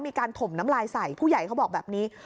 ถมน้ำลายใส่ผู้ใหญ่เขาบอกแบบนี้